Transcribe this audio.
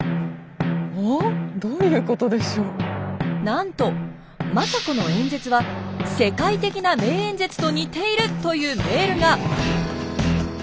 なんと政子の演説は世界的な名演説と似ているというメールが！